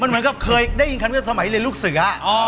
มันเหมือนกับเคยได้ยินขัดเงื่อนกับสมัยเรียนลูกเสืออ่ะ